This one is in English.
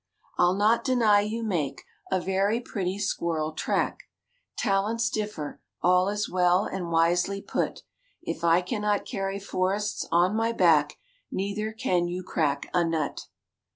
I'll not deny you make A very pretty squirrel track; Talents differ; all is well and wisely put; If I cannot carry forests on my back, Neither can you crack a nut."